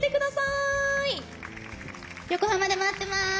横浜で待ってます。